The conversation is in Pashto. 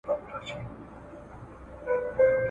شعرونه د یادولو وړ دي ,